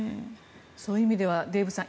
そういう意味ではデーブさん